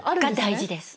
大事です！